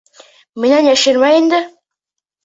Минән йәшермә инде!